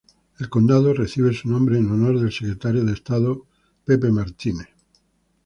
El condado recibe su nombre en honor al Secretario de Estado Edward Livingston.